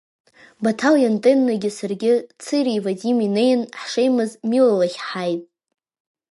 Баҭал иантеннагьы саргьы, Циреи Вадими неин, ҳшеимаз Мила лахь ҳааит.